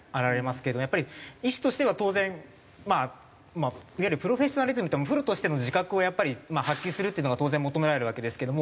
やっぱり医師としては当然いわゆるプロフェッショナリズムプロとしての自覚をやっぱり発揮するというのが当然求められるわけですけども。